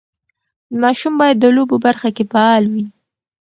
ماشوم باید د لوبو برخه کې فعال وي.